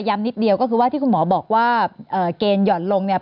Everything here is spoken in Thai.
นิดเดียวก็คือว่าที่คุณหมอบอกว่าเกณฑ์หย่อนลงเนี่ย